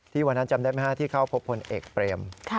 ที่วันนั้นจำได้ไหมครับที่เขาพบผลเอกเปรม